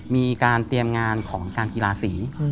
มีการเตรียมงานของการกีฬาสี